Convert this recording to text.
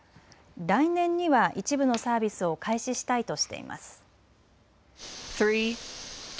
来年には一部のサービスを開始したいとしています。